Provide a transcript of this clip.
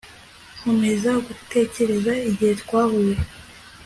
Nkomeza gutekereza igihe twahuye